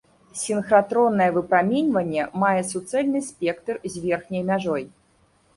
Сінхратроннае выпраменьванне мае суцэльны спектр з верхняй мяжой.